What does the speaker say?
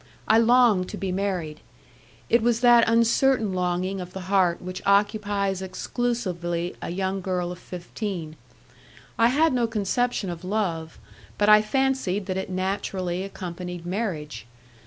I longed to be married. It was that uncertain longing of the heart which occupies exclusively a young girl of fifteen. I had no conception of love, but I fancied that it naturally accompanied marriage.